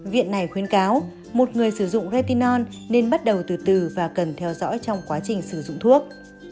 viện này khuyến cáo một người sử dụng retinon nên bắt đầu từ từ và cần theo dõi trong quá trình sử dụng thuốc